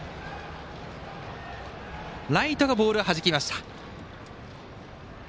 ライトがボールをはじきました。